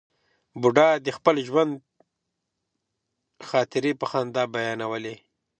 بوډا د خپل تېر ژوند خاطرې په خندا بیانولې.